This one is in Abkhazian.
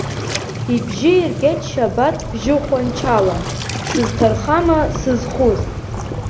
Ибжьы иргеит Шьабаҭ бжьыхәанчала, дсызҭархама сызхәыз?